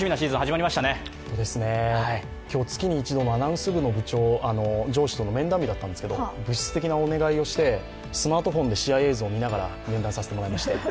そうですね、今日、月に一度のアナウンス部の上司との面談だったんですがぶしつけなお願いとしてスマートフォンで試合映像、見ながら面談させていただいて。